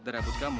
dari rambut kamu